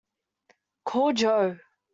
Call Joe.